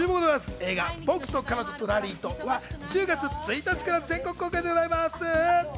映画『僕と彼女とラリーと』は１０月１日から全国公開でございます。